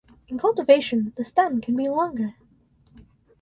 In cultivation the stem can be longer.